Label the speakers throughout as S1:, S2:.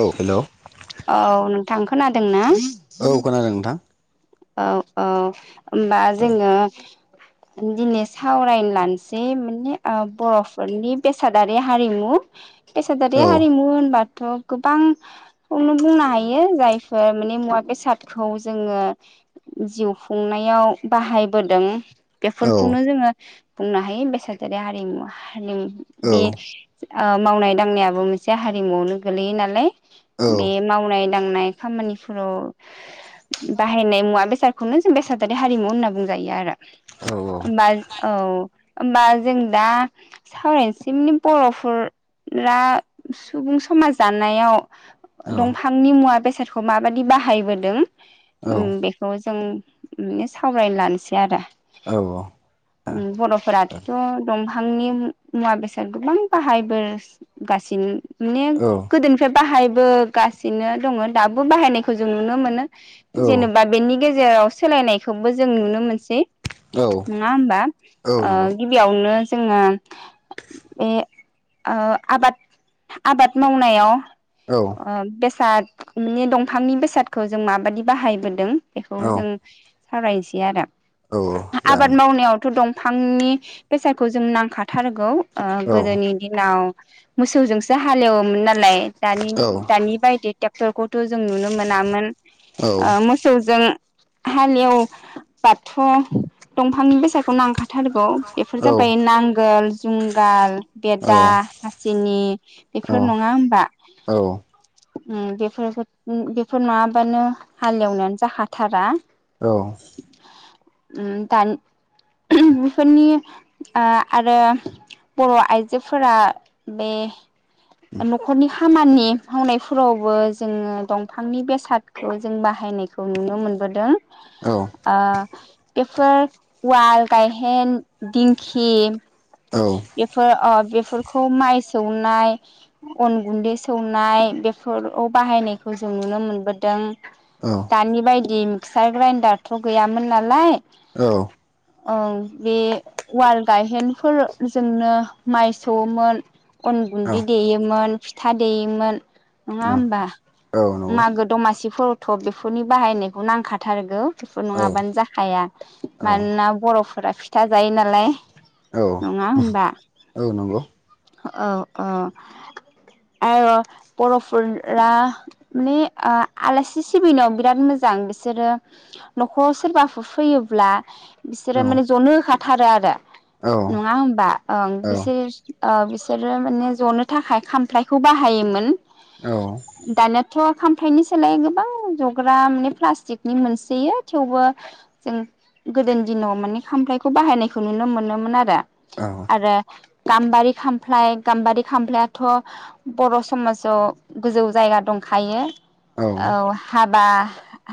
S1: औ हेलौ
S2: औ नोंथां। खोनादों ना?
S1: औ खोनादों नोंथां।
S2: औ औ। होमबा
S1: औ
S2: जोङो दिनै सावरायनो लानोसै माने ओ बर'फोरनि बेसादारि हारिमु
S1: औ
S2: फेसादारि हारिमु होनबा थ' गोबांखौनो बुंनो हायो जायफोर माने मुवा बेसादखौ जोङो जिउ खुंनायाव बाहायबोदों।
S1: औ
S2: बेफोरखौनो जोङो बुंनो हायो बेसादारि हारिमु। निम
S1: औ
S2: बे ओ मावनाय दांनायाबो मोनसे हारिमुआवनो गोल्लैयो नालाय।
S1: औ
S2: बे मावनाय दांनाय खामानिफ्राव बाहायनाय मुवा बेसादखौनो जों बेसादारि हारिमु होनना बुंजायो आरो
S1: औ
S2: होबाज औ होमबा जों दा सावरायनोसमनि बर'फोरा सुबुं समाज जानायाव दंफांनि मुवा बेसे सारखौ माबादि बाहायबोदों। उम
S1: औ औ
S2: बे जों सावरायनो लानोसै आरो
S1: औ
S2: बर'फोराथ' दंफां फांनि मुवा बेसाद गोबां बाहायबोगासिनो माने गोदोनिफ्राय बाहायबोगासिनो दङ दाबो बाहायनायखौ जों नुनो मोनो। जेनेबा नि गेजेराव सोलायनायखौबो जों नुनो मोनसै । नङा
S1: नंगौ
S2: होमबाओ गिबियावनो जोङो बे ओ आबाद आबाद मावनायाव
S1: औ
S2: ओ बेसाद माने दंफांनि बेसादखौ जों माबादि बाहायबोदों। बेखौ
S1: औ
S2: जों सावरायनोसै आरो आबाद
S1: जागोन
S2: मावनायावथ' दं। बिफांनि बेसादखौ जों नांखाथारगौ। ओ
S1: औ
S2: गोदोनि दिनाव मोसौजोंसो हालेवोमोन ना थाय दानि
S1: औ
S2: दानि बायदि टेक [unintelligible] थ जों नुनो मोनामोन
S1: औ
S2: ओ मोस उम हालेव बाथ दंफांनि बेसादखौ नांखाथारगौ बेफोर
S1: औ
S2: जाबाय नांगोल जुंगाल बेदा, हासिनि बेफोर नङा होमबा।
S1: औ
S2: ओम बेफोर बेफोर नङाबानो हालेवनायानो जाखाथारा।
S1: औ
S2: ओम दानि बेफोरनि ओ आरो बर आइजोफोरा बे नखरनि हा खामानि मावनायफोरावबो जोङो दंफांनि बेसादखौ जों बाहायनाय खौ नुनो मोनबोदों। आ बेफोर उवाल, गायहेन, दिंखि बेफोर अ बेफोरखौ माइस सौनाय अन गुन्दै सौनाय बेफोराव बाहायनायखौ जों नुनो मोनबोदों। दानि बायदि मिक्सार ग्राइन्डारथ गैयामोन नालाय।
S1: औ।
S2: औ बे उवाल गायहेनफोरजोंनो माइ सौवोमोन। अन गुन्दै देयोमोन। फिथा देयोमोन। नङा होमबा
S1: नंगौ
S2: मागो दमासि फोरथ बे फोरनि बाहायनायखौ नांखाथारगौ बेफोर
S1: औ
S2: नङाबानो जाखाया मानोना बरफ फोरा फिथा जायो नालाय।
S1: औ
S2: नङा होमबा
S1: औ नंगौ।
S2: औ औ आरो बरफोरा माने ओ आलासि सि बिनायाव बिराद मोजां बिसोरो नखराव सोरबाफोर फैयोब्ला बिसोरो माने
S1: औ
S2: जनो होखा थारो आरो। नङा
S1: औ
S2: होमबा ओं बिसोर ओ बिसोरो माने ज'नो थाखाय खामफ्लायखौ बाहायोमोन।
S1: औ
S2: दानाथ' खाम हाथाइनि सोलाय गोबां जग्रा माने प्लास्टिकनि मोनसोयो थेवबो जों गोदोनि दिनाव माने खामफ्लायखौ बाहायनायखौ नुनो मोनोमोन आरो। आरो गाम्बारि खामफ्लाय गाम्बारि खामफ्लायाथ बर' समाजाव गोजौ जायगा दंखायो। औ। बा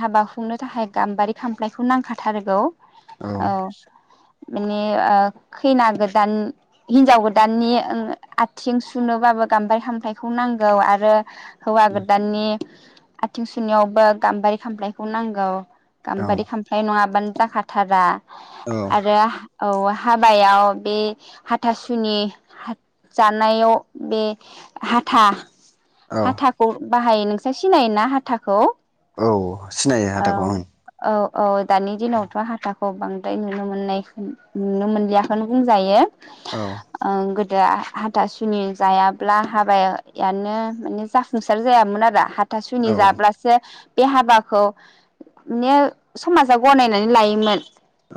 S2: हाबा खुंनो थाखाय गाम्बारि खामफ्लायखौ नांखाथारगौ। औ। माने ओ खैना गोदान हिनजाव गोदाननि आथिं सुनोबाबो गामबारि खामफाइखौ नांगौ आरो हौवा गोदाननि आथिं सु सुनायावबो गाम्बारि खामफ्लायखौ नांगौ।
S1: औ
S2: गाम्बारि खामफ्लाय नङाबानो जाखाथारा।
S1: औ
S2: आरो औ। हाबायाव बे हाथासुनि जानायाव बे हाथा
S1: औ
S2: हाथाखौ बाहायो नोंसोर सिनायोना हाथा खौ।
S1: औ। सिनायो हाथाखौ ओं।
S2: औ औ दानि दिनावथ हाथाखौ बांद्राय नुनो मोननाय नुनो मोनलियाखौनो बुंजायो।
S1: औ
S2: ओं गोद दा हाथासुनि जायाब्ला हाबायानो माने जाफुंसार जायामोन आरो हाथ हाथा
S1: औ
S2: सुनि जाब्लासो बे हाबाखौ माने समाजा गनायनानै लायोमोन।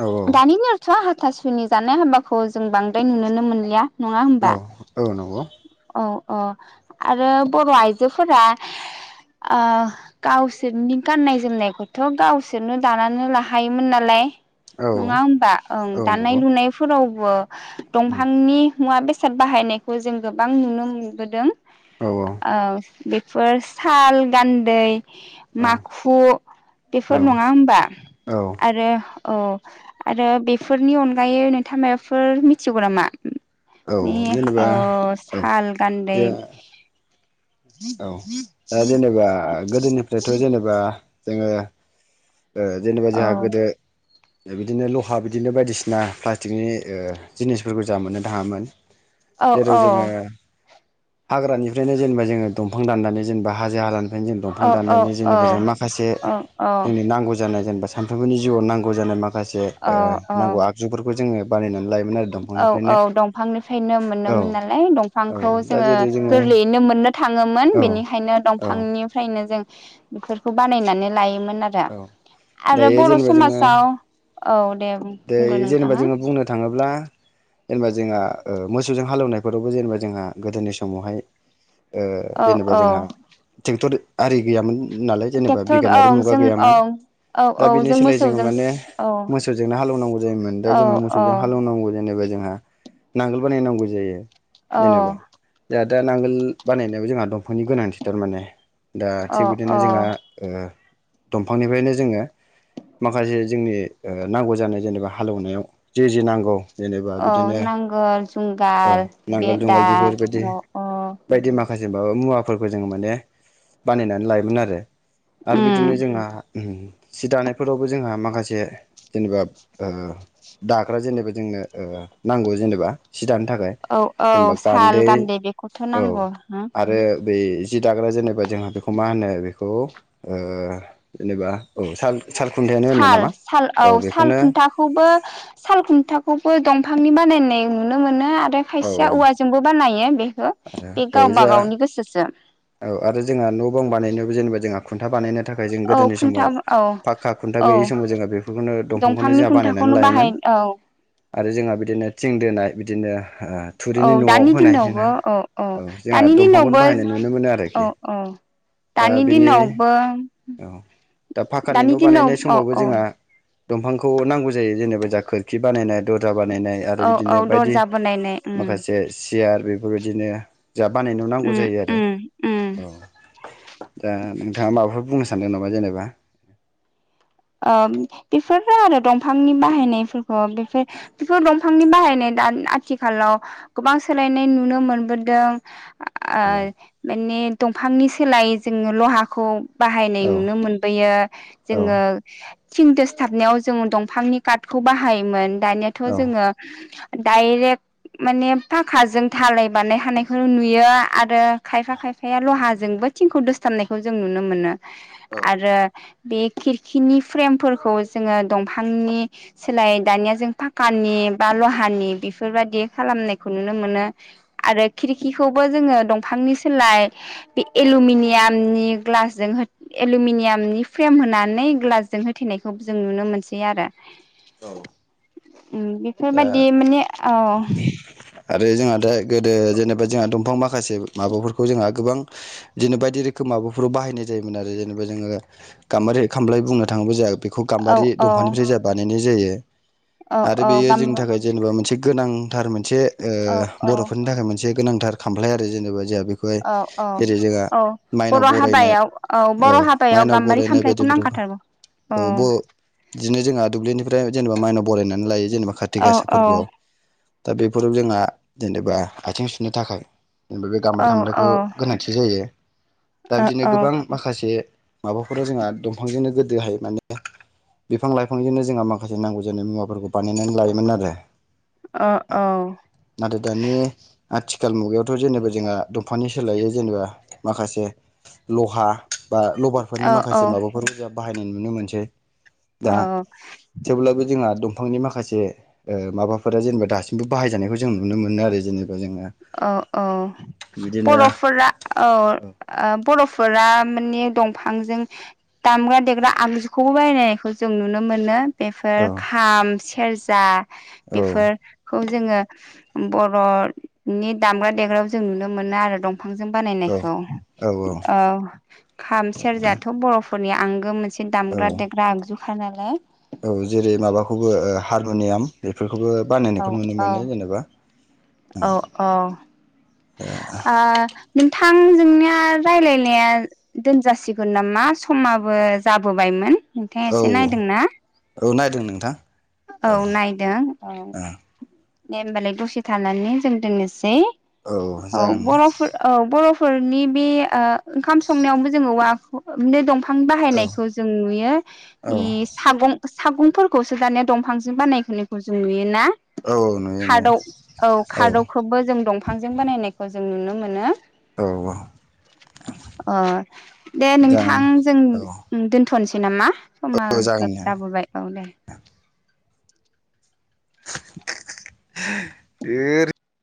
S1: औ
S2: दानि दिनावथ हाथ थासुनि जानाय हाबाखौ जों बांद्राय नुुनोनो मोनलिया। नङा
S1: औ
S2: होनबा
S1: औ नंगौ
S2: औ। अ आरो बर' आइजोफोरा ओ गावसोरनि गाननाय जोमनायखौथ' गावसोरनो दानानो लाखायोमोन नालाय।
S1: औ
S2: नङा होमबा ओं
S1: औ
S2: दानाय
S1: नंगौ औ
S2: लुनायफोराव अ दंफांनि मुवा बेसाद बाहायनायखौ जों गोबां नुनो मोनबोदों।
S1: औ
S2: आ बे फोर साल गान्दै माखु
S1: औ
S2: बेफोर नङा होमबा
S1: औ
S2: आरो औ आरो बेफोरनि अनगायै नोंथां माबाफोर मिथिगौ नामा?
S1: औ
S2: नि
S1: जेनेबा
S2: ओ
S1: औ
S2: साल गान्दै।
S1: जे औ दा जेनेबा गोदोनिफ्रायथ' जेनेबा जोंङो ओ जेनेबा
S2: औ
S1: जोंहा गोदो बिदिनो लहा बिदिनो बायदिसिना प्लास्टिकनि ओ जिनिसफोरखौ जों मोननो थांङामोन।
S2: औ
S1: जेराव
S2: औ
S1: जोंङो हाग्रानिफ्रायनो जेनेबा जोंङो दंफां दाननानै जेनेबा हाजो हाला ओंखायनो जों दंफां
S2: औ औ
S1: दाननानै
S2: औ
S1: जेनेबा जों माखासे
S2: औ
S1: जोंनि नांगौ जानाय जेनेबा सानफ्रोमबोनि जिउआव नांगौ जानाय मा माखासे
S2: औ
S1: ओ नांगौ आगजुफोरखौ जोंङो बानायनानै लायो
S2: औ औ दंफांनिफ्रायनो
S1: औ
S2: मोनोमोन नालाय
S1: औ
S2: दंफांखौ
S1: दा
S2: जोंङो
S1: जेरै जोङो
S2: गोरलैयैनो मोननो थांङोमोन
S1: औ
S2: बेनिखायनो
S1: औ
S2: दंफांनिफ्रायनो जों बेफोरखौ बानायनानै लायोमोन। मोन आरो
S1: औ
S2: आरो
S1: दायो
S2: बर'
S1: जेनेबा जोङो
S2: समाजाव औ। दे बुंगोन
S1: दायो जेनेबा
S2: नोंथाङा
S1: जोंङो बुंनो थांङोब्ला जेनेबा जोंहा ओ मोसौजों हालेवनाय फोरावबो जेनेबा जोंहा गोदोनि समावहाय ओ
S2: औ
S1: जेनेबा
S2: औ
S1: जोंहा ट्रेक्टर आरि गैयामोन। नालाय जेनेबा
S2: ट्रेक्टर औ
S1: बिगियानारि मुगा
S2: जों औ
S1: गैयामोन
S2: औ औ जों मोसौजों औ।
S1: जोंनो हालौनांगौ जायोमोन दा
S2: औ
S1: जोंङो
S2: औ
S1: मोसौजों हालौवनांगौ जेनेबा जोंहा नांगोल बानायनांगौ जायो।
S2: औ
S1: जेनेबा जोंहा दा नांगोल बानायनायावो जोंहा दंफांनि गोनांथिथार माने दा
S2: औ
S1: थिग बिदिनो
S2: औ
S1: जोंहा ओ दंफांनिफ्रायनो जोङो माखासे जोंनि ओ ओ नांगौ जानाय जेनेबा हालेवनायाव जे जे नांगौ जेनेबा
S2: औ
S1: बिदिनो
S2: नांगोल
S1: औ
S2: जुंगाल
S1: नांगोल
S2: बेदा
S1: जुंगाल बेफोरबायदि
S2: न अ
S1: बायदि माखासे माबा मुवाफोरखौ जोङो माने बानायनानै लायोमोन आरो आरो बिदिनो जोंहा ओम सि दानायफोरावबो जोंहा माखासे जेनेबा ओ दाग्रा जेनेबा जोंनो ओ नांगौ जेनेबा जि दानो थाखाय
S2: औ औ
S1: जेनबा
S2: साल
S1: गान्दै
S2: बेखौथ'
S1: औ
S2: नांगौ हो
S1: आरो बै जि दाग्रा जेनेबा जोंहा बेखौ मा होनो बेखौ‌ ओ जेनेबा औ साल-सालखुन्थायानो होनो
S2: साल
S1: नामा
S2: साल औ साल खुन्थाखौबो साल खुन्थाखौ बो दंफांनि बानायनाय नुनो मोनो आर ओमफ्राय
S1: औ
S2: खायसेया औवाजोंबो बानायो यो बेयो बे
S1: औ
S2: गावबा
S1: जा
S2: गावनि गोसोसो
S1: औ आरो जोंहा न' बां बानायनोबो जेनेबा जोंहा खुन्था बानायना नि थाखाय जों
S2: औ
S1: गोदोनि
S2: खुन्था
S1: समाव
S2: औ
S1: पाक्का खुन्था
S2: औ
S1: गैयि समाव जोङो बेफोरखौनो दंफांखौनो
S2: दंफांनि
S1: जोंहा बानायनानै
S2: खुन्थाखौनो
S1: लायोमोन
S2: बाहाय औ
S1: आरो जोंहा बिदिनो थिं दोनाय बिदिनो ओ
S2: औ
S1: थुरिनि न'आव
S2: दानि
S1: होनाय जोंना
S2: दिनावबो औ औ
S1: जोंहा
S2: दानि
S1: दंफांखौनो
S2: दिनावबो
S1: बाहायनाय नुनो मोनो
S2: औ
S1: आरोखि
S2: औ
S1: दा
S2: दानि
S1: बेनि
S2: दिनावबो
S1: औ दा फाखानि
S2: दानि
S1: न'
S2: दिनाव
S1: बानायनाय
S2: औ
S1: समावबो
S2: औ
S1: जोंहा दंफांखौ नांगौ जायो जेनेबा जा खोरखि बानायनाय दरजा बानायनाय आरो
S2: औ
S1: बिदिनो
S2: औ
S1: बायदि
S2: दरजा बानायनाय उम
S1: माखासे सियार बेफ बेबायदिनो जा बानायनो नांगौ
S2: उम
S1: जायो आरो
S2: उम उम
S1: औ दा ओ नोंथाङा माबाफोर बुंनो सानदों नामा जेनेबा
S2: ओम बेफोरनो आरो दंफांनि बाहायनायफोरखौ बेफोर बेफोर दंफांनि बाहायनाय दा आथिखालाव गोबां सोलायनाय नुनो मोनबोदों आ
S1: औ
S2: ओ माने दंफांनि सोलाय जोङो लहाखौ बाहायनाय
S1: औ
S2: नुनो मोनबोयो
S1: औ
S2: जोङो थिं दोसथाबनायाव जों दंफांनि काटखौ बाहायोमोन दानियाथ'
S1: औ
S2: जोङो डायरेक्ट माने फाखाजों धालाय बानाय हानायखौनो नुयो आरो खायफा खायफाया लहाजोंबो थिंखौ दोसथाबनायखौ जों नुनो मोनो
S1: औ
S2: आरो बे खिर खिनि फ्रेमफोरखौ जोङो दंफांनि सोलाय दानिया जों फाकानि बा लहानि बेफोरबायाददि खालामनायखौ नुनो मोनो आरो खिरखिखौबो जोङो दंफांनि सोलाय बे एलमिनियामनि ग्लासजों एलुमिनियामनि फ्रेम होनानै ग्लासजों होथेनायखौबो जों नुनो मोनसै आरो
S1: औ
S2: उम बेफोरबायदि माने अ
S1: आरो जोंहा दा गोदो जेनेबा जोंहा दंफां माखासे माबाफोरखौ जोंहा गोबां बिदिनो बायदि रोखोम माबाफोराव बाहायनाय जायोमोन आरो जेनेबा जोङो गामबारि खामबलाय बुंनो थाङोब्ला जाहा बेखौ
S2: औ
S1: गाम्बारि
S2: औ
S1: दंफांनिफ्राय जा बानायनाय जायो।
S2: औ
S1: आरो
S2: औ।
S1: बेयो
S2: गाम
S1: जोंनि थाखाय जेनेबा मोनसे गोनां। थार मोनसे ओ
S2: औ औ
S1: बर'फोरनि थाखाय मोनसे गोनांथार खामफ्लाइ आरो जेनेबा जा बेखौहाय
S2: औ औ
S1: जेरै जोंहा
S2: औ
S1: माइनाव
S2: बर'
S1: बरायनाय
S2: हाबायाव
S1: औ
S2: बर' हाबायाव
S1: माइनाव
S2: गाम्बारि
S1: बरायनाय
S2: खामफ्लायखौ
S1: बायदिफोराव
S2: नांखाथारगौ
S1: औ ब इदिनो जोंहा दुब्लिनिफ्राय जेनेबा मायनाव बायनानै लायो। जेनेबा खार्थि
S2: औ
S1: गासा
S2: औ
S1: फोरबोआव। दा बेफोराव जोंहा जेनेबा आथिं सुनो थाखाय। जेनबा बे गामबारि
S2: औ
S1: खामलायखौ
S2: औ
S1: गोनांथि जायो दा
S2: औ
S1: बिदिनो
S2: औ
S1: गोबां माखासे। माबाफोराव जोंहा दंफांजोंनो गोद बेहाय माने बिफां लाइफांजोंनो जोंहा माखासे नांगौ जानाय मुवाफोरखौ। बानायनानै लायोमोन आरो।
S2: औ
S1: नाथाय दानि। आथिखाल मुगायावथ' जेनेबा जोंहा दंफानि सोलायै जेनेबा माखासे लहा। बा लबारफोरनि
S2: औ
S1: माखासे माबाफोरबो जाबाय। बाहायनाय नुनो मोनसै। दा थेवब्लाबो जोंहा दं। बिफांनि माखासे ओ माबाफोरा जेनेबा दासिमबो बाहायजानायखौ जों नुनो मोनो आरो जेनेबा। जोङो
S2: औ औ
S1: बिदिनो
S2: बर'फोरा औ ओ बर'फोरा माने दंफां आंजों दामग्रा देग्रा आगजुखौबो बायनायखौ जों नुनो मोनो। बेफोर
S1: औ
S2: खाम सि खेरजा।
S1: औ
S2: बेफोरखौ। जोङो बर' नि दामग्रा देग्रायावो जों नुनो मोनो आरो दं बिफांजों
S1: औ
S2: बानायनायखौ औ खाम सेरजायाथ' बर' फोरनि आंगो मोन से
S1: औ
S2: दामग्रा देग्रा आगजु खानालाय।
S1: औ बेफोर
S2: औ औ औ औ आ‌ नों थां जोंनिया रायलायनाया दोनजासिगोन नामा समाबो जाबोबायमोन नोंथाङा
S1: औ
S2: एसे नायदों ना
S1: औ नायदों नोंथां
S2: औ नायदों औ दे होमबालाय दसे थानानै जों दोननोसै औ बर'फोर औ बरफ फोरनि बे ओ ओंखाम संनायावनोबो जोङो औवा दंफां बिफां
S1: औ
S2: बाहायनायखौ जों नुयो
S1: औ
S2: ए सागं सागंफोरखौसो दानिया दंफांजों बानाय होनायखौ जों नुयोना
S1: औ नुयो नुयो
S2: खादौ औ खादौखौबो जों दं फांजों बानायनायखौ जों नुनो मोनो।
S1: औ औ
S2: अ दे
S1: जागोन
S2: नोंथां जों
S1: औ
S2: दोनथनोसै [unintelligible] नामा समा
S1: औ जागोन
S2: ग्रोब
S1: दे
S2: जाबोबाय औ दे।
S1: ओर